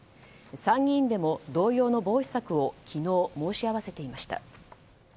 参議院でも同様の防止策を昨日、申し合わせていました。